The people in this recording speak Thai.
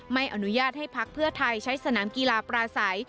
ไม่อนุญาตให้พักเพื่อไทยใช้สนามกีฬาปราศัย